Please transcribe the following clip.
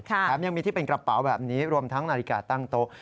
แถมยังมีที่เป็นกระเป๋าแบบนี้รวมทั้งนาฬิกาตั้งโต๊ะ